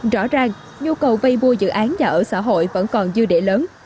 rõ ràng nhu cầu vay mua dự án nhà ở xã hội vẫn còn dư địa lớn